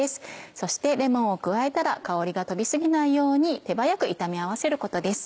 そしてレモンを加えたら香りが飛び過ぎないように手早く炒め合わせることです。